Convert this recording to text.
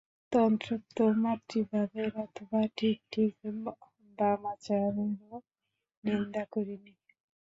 তন্ত্রোক্ত মাতৃভাবের অথবা ঠিক ঠিক বামাচারেরও নিন্দা করিনি।